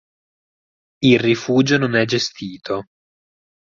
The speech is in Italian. Il rifugio non è gestito.